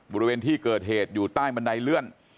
บริเวณที่เกิดเหตุอยู่ใต้บันไดเลื่อน